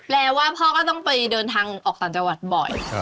ว่าพ่อก็ต้องไปเดินทางออกต่างจังหวัดบ่อย